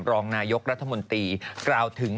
รองนายกรัฐมนตรีกล่าวถึง